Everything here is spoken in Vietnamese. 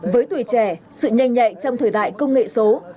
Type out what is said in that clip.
với tuổi trẻ sự nhanh nhạy trong thời đại công nghệ số